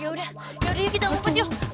ya udah ayo kita ngumpet yuk